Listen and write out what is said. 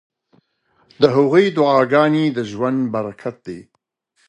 د هغوی دعاګانې د ژوند برکت دی.